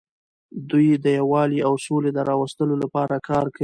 دوی د یووالي او سولې د راوستلو لپاره کار کوي.